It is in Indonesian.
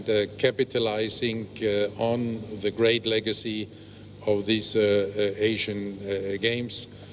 dan untuk memperoleh kemahiran yang besar di asian games